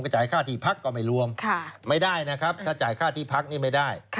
จ่ายค่าที่พักก็ไม่รวมไม่ได้นะครับถ้าจ่ายค่าที่พักนี่ไม่ได้